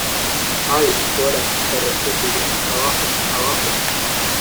¡ Ay! ¡ fuera, perro estúpido !¡ abajo !¡ abajo !